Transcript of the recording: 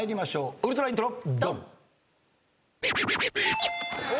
ウルトライントロ。